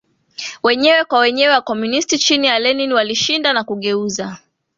wenyewe kwa wenyewe Wakomunisti chini ya Lenin walishinda na kugeuza